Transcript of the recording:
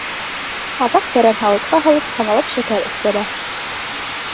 Аҙаҡ тәрән һауытҡа һалып, самалап шәкәр өҫтәлә.